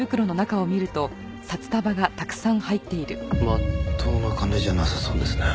まっとうな金じゃなさそうですね。